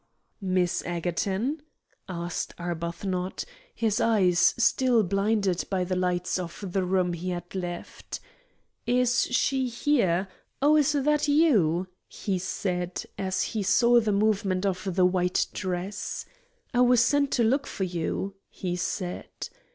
"Miss Egerton?" asked Arbuthnot, his eyes still blinded by the lights of the room he had left. "Is she here? Oh, is that you?" he said, as he saw the movement of the white dress. "I was sent to look for you," he said.